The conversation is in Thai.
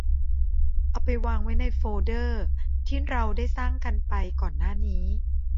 เอาไปวางไว้ในโฟลเดอร์ที่เราได้สร้างกันไปก่อนหน้านี้